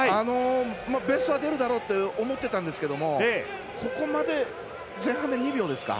ベストは出るだろうと思っていたんですがここまで前半で２秒ですか。